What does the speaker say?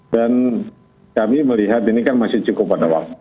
dan kami melihat ini kan masih cukup pada waktu